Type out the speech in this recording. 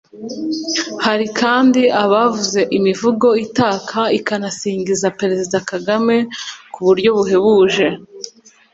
Hari kandi abavuze imivugo itaka ikanasingiza Perezida Kagame ku buryo buhebuje